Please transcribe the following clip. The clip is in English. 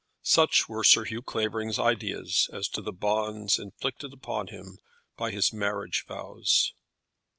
Such were Sir Hugh Clavering's ideas as to the bonds inflicted upon him by his marriage vows.